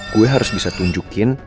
gue harus bisa tunjukin